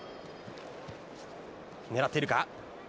狙っているか。